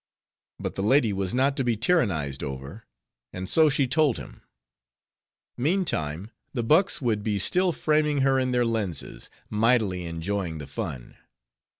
But the lady was not to be tyrannized over; and so she told him. Meantime, the bucks would be still framing her in their lenses, mightily enjoying the fun.